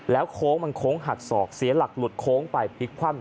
โค้งมันโค้งหักศอกเสียหลักหลุดโค้งไปพลิกคว่ำ